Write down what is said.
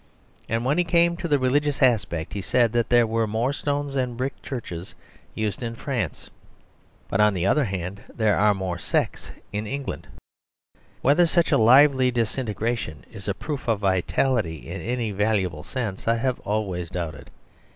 And when he came to the religious aspect he said that there were more stone and brick churches used in France; but, on the other hand, there are more sects in England. Whether such a lively disintegration is a proof of vitality in any valuable sense I have always doubted.